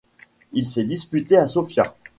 Il s'est disputé à Sofia.